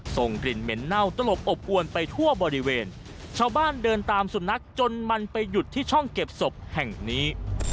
ส่งกลิ่นเหม็นเน่าตลบอบอวนไปทั่วบริเวณชาวบ้านเดินตามสุนัขจนมันไปหยุดที่ช่องเก็บศพแห่งนี้